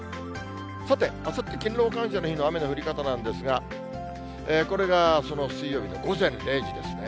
さて、あさって勤労感謝の日の雨の降り方なんですが、これがその水曜日の午前０時ですね。